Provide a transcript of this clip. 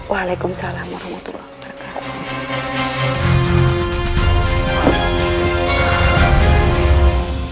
waalaikumsalam warahmatullah wabarakatuh